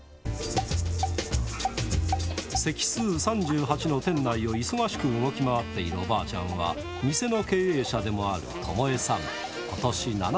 席数３８の店内を忙しく動き回っているおばあちゃんは、店の経営者でもあるトモエさん。